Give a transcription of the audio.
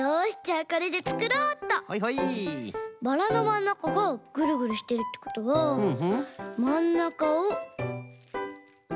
バラのまんなかがぐるぐるしてるってことはまんなかをぐるっ。